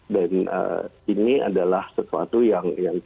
dan ini adalah sesuatu yang terlalu penting